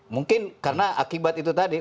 mungkin karena akibat itu tadi